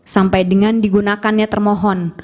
sampai dengan digunakannya termohon